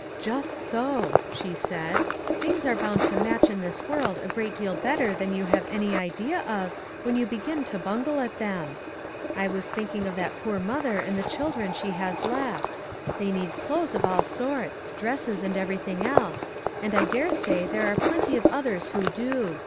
" Just so,'' she said ;" things are bound to match in this world a great deal better than you have any idea of, when you begin to bungle at them. I was thinking of that poor mother and the children she has left. They need clothes of all sorts — dresses, and everything else — and I dare say there are plenty of others who do.